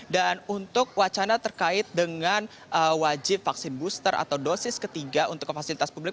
dan untuk wacana terkait dengan wajib vaksin booster atau dosis ketiga untuk fasilitas publik